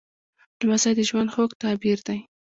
لمسی د ژوند خوږ تعبیر دی.